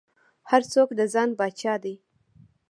هر څوک د ځان پاچا دى.